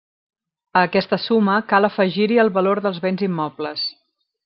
A aquesta suma cal afegir-hi el valor dels béns immobles.